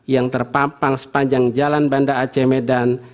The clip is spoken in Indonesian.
yang terpapang sepanjang jalan banda aceh medan